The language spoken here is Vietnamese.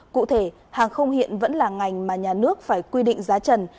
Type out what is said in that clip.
cụ thể hàng không hiện vẫn là ngành mà nhà nước phải quy định giá trần